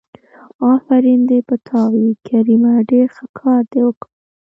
آفرين دې په تا وي کريمه ډېر ښه کار دې وکړ.